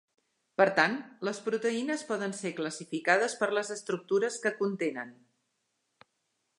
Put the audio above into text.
Per tant, les proteïnes poden ser classificades per les estructures que contenen.